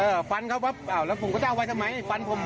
อ่าฟันเข้าประปอ่าวแล้วผมก็จะเอาไว้สมัยฟันผม